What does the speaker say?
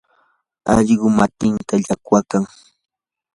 allqu matinta llaqwaykan.